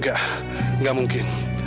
gak gak mungkin